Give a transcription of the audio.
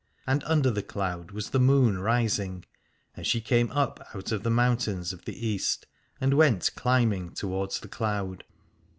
And under the cloud was the moon rising, and she came up out of the mountains of the East and went climb ing towards the cloud.